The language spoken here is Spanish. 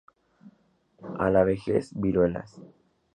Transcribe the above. A la vejez, viruelas